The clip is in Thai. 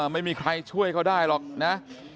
ไม่มีใครช่วยเขาได้หรอกนะ